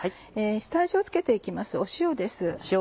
下味を付けて行きます塩です。